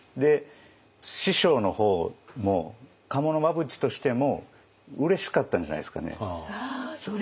師匠の方も賀茂真淵としてもうれしかったんじゃないですかね。